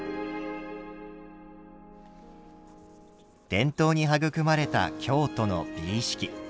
伝統に育まれた京都の美意識。